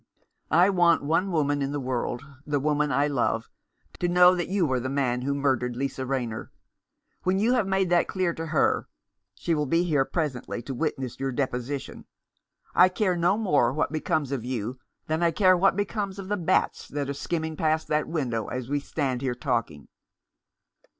I want one woman in the world — the woman I love — to know that you are the man who murdered Lisa Rayner. When you have made that clear to her — she will be here presently, to witness your deposition — I care no more what becomes of you than I care what becomes of the bats that are skimming past that window as we stand here talking."